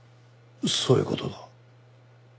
そういう事だ。